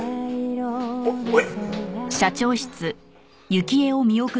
おっおい！